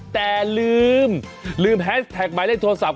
แต่ลืมลืมแฮสแท็กหมายเลขโทรศัพท์